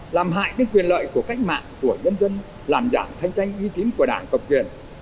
làm hại đến quyền lợi của cách mạng của nhân dân làm giảm thanh tranh uy tín của đảng cộng quyền